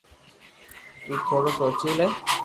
تو ٿورو سوچي لي